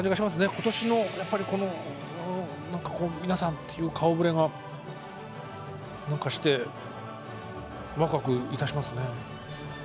今年のやっぱりこの何かこう皆さんっていう顔ぶれが何かしてわくわくいたしますね。